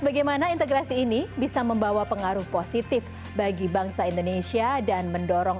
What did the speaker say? bagaimana integrasi ini bisa membawa pengaruh positif bagi bangsa indonesia dan mendorong